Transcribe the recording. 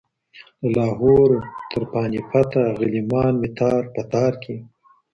له لاهور تر پاني پټه غلیمان مي تار په تار کې